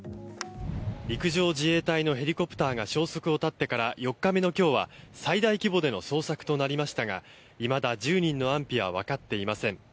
陸上自衛隊のヘリコプターが消息を絶ってから４日目の今日は最大規模での捜索となりましたがいまだ１０人の安否はわかっていません。